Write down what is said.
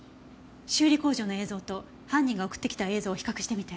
修理工場の映像と犯人が送ってきた映像を比較してみて。